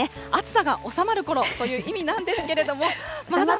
暑さがおさまるころという意味なんですけれども。